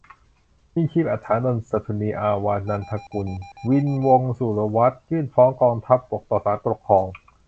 ยิ่งชีพ อัชฌานนท์ สฤณี อาชวานันทกุล วิญญู วงศ์สุรวัฒน์ ยื่นฟ้องกองทัพบกต่อศาลปกครอง